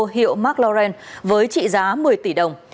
điệu mclaren với trị giá một mươi tỷ đồng